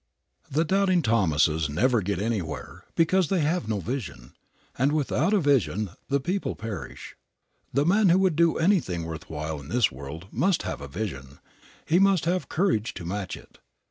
The doubting Thomases never get anywhere, because they have no vision, and "without a vision the people perish." The man who would do anything worth while in this world must have a vision, and he must have courage to match it.